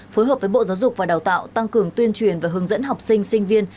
phối hợp với bộ giáo dục và đào tạo tăng cường tuyên truyền và hướng dẫn học sinh sinh viên